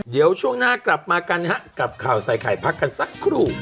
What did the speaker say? เดี๋ยวช่วงหน้ากลับมากันนะฮะกับข่าวใส่ไข่พักกันสักครู่